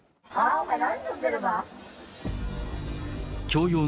お前、何飲んでるの？